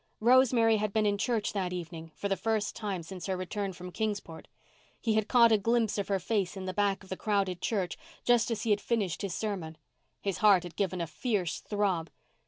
Rosemary had been in church that evening, for the first time since her return from Kingsport. He had caught a glimpse of her face in the back of the crowded church, just as he had finished his sermon. His heart had given a fierce throb.